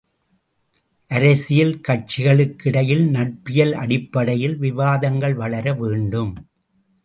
அரசியல் கட்சிகளுக்கிடையில் நட்பியல் அடிப்படையில் விவாதங்கள் வளர வேண்டும்.